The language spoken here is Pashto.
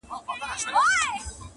خاموسي تر ټولو درنه پاتې وي,